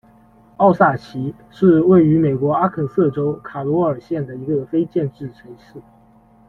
奥萨奇是位于美国阿肯色州卡罗尔县的一个非建制地区。